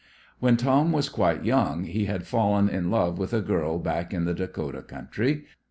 When Tom was quite young he had fallen in love with a girl back in the Dakota country.